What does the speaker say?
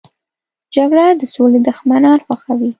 جګړه د سولې دښمنان خوښوي